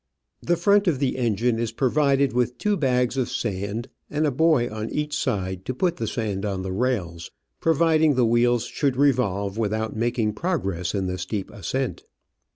The front of the engine is provided with two bags of sand, and a boy on each side to put the sand on the rails providing the wheels should revolve with out making progress in the steep ascent.